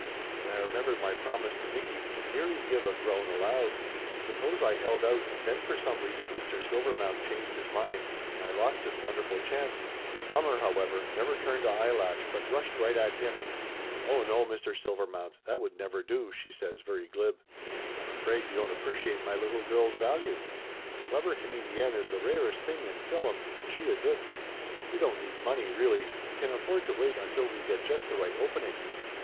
Then I remembered my promise to Nicky, and nearly give a groan aloud. Suppose I held out and then for some reason Mr. Silvermount changed his Laughter Limited 189 mind and I lost this wonderful chance? Mommer, however, never turned a eyelash, but rushed right at him. "Oh, no, Mr. Silvermount, that would never do!" she says very glib. "I'm afraid you don't appreciate my little girl's value. A clever comedienne is the rarest thing in fillums, and she is it. We don't need money, really, and can afford to wait until we get just the right opening."